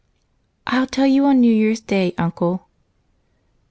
"I'll tell you on New Year's Day, Uncle."